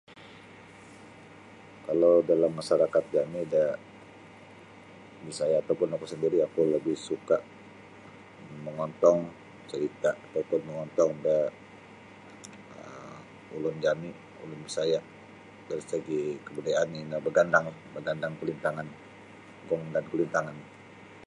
Kalau dalam masyarakat jami da Bisaya ataupun oku sandiri oku labih suka mongontong carita ataupun mongontong da um ulun jami ulun Bisaya dari segi kebudayaan ino bagandang bagandang kulintangan gong dan kulintangan.